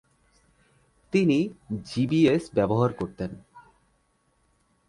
তিনি "জি.বি.এস." ব্যবহার করতেন।